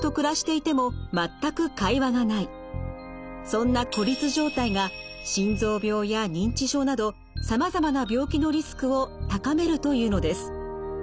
そんな孤立状態が心臓病や認知症などさまざまな病気のリスクを高めるというのです。